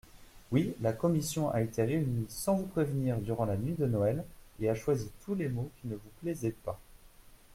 Oui, la commission a été réunie sans vous prévenir durant la nuit de Noël et a choisi tous les mots qui ne vous plaisaient pas.